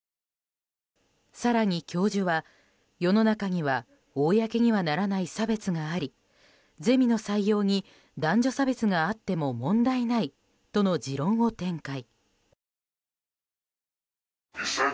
更に教授は世の中には公にはならない差別がありゼミの採用に男女差別があっても問題ないとの持論を展開。